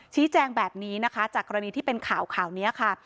ชี้แจงแบบนี้นะคะจากกรณีที่เป็นข่าวข่าวนี้ค่ะ